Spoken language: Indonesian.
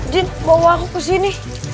jin bawa aku kesini